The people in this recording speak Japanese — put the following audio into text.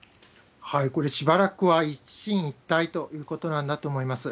これ、しばらくは一進一退ということなんだと思います。